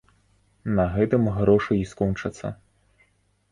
На гэтым грошы і скончацца.